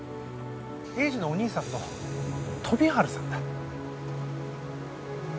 栄治のお兄さんの富治さんだ。